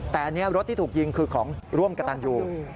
แต่รถที่ถูกยิงคือของร่วมกระตั่งอยู่